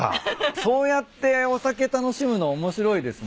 そうやってお酒楽しむの面白いですね。